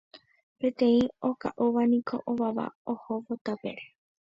Peteĩ oka'úvaniko ovava ohóvo tapére